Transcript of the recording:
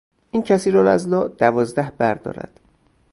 این کثیرالاضلاع دوازده بر دارد.